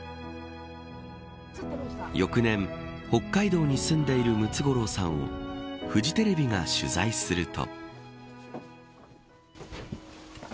翌年、北海道に住んでいるムツゴロウさんをフジテレビが取材すると。